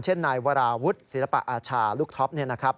นายวราวุฒิศิลปะอาชาลูกท็อปเนี่ยนะครับ